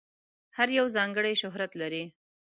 هر یو ځانګړی شهرت لري.